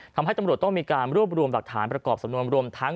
ตำรวจต้องมีการรวบรวมหลักฐานประกอบสำนวนรวมทั้ง